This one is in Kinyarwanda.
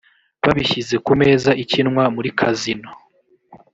babishyize ku meza ikinwa muri kazino